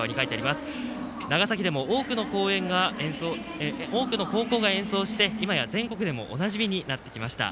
長崎でも多くの高校が演奏していまや全国でもおなじみになってきます。